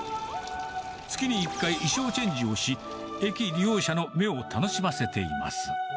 月に１回、衣装チェンジをし、駅利用者の目を楽しませています。